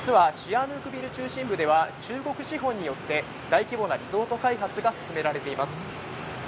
実はシアヌークビル中心部では、中国資本によって大規模なリゾート開発が進められています。